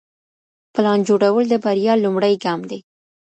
پلان جوړول د بريا لومړی ګام دی.